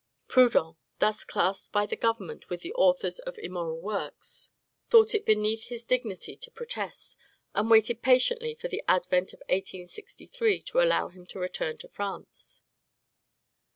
Proudhon, thus classed by the government with the authors of immoral works, thought it beneath his dignity to protest, and waited patiently for the advent of 1863 to allow him to return to France.